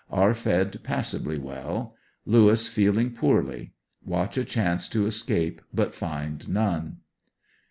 Are fed passably well. Lewis feeling poorly. Watch a chance to escape but find none.